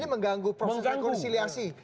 ini mengganggu proses rekonsiliasi